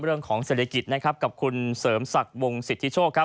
เรื่องของเศรษฐกิจนะครับกับคุณเสริมศักดิ์วงสิทธิโชคครับ